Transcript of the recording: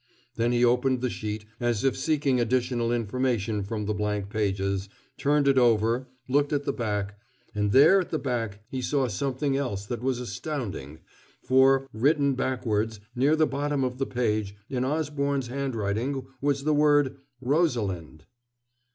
Then he opened the sheet, as if seeking additional information from the blank pages, turned it over, looked at the back and there at the back he saw something else that was astounding, for, written backwards, near the bottom of the page, in Osborne's handwriting, was the word "Rosalind."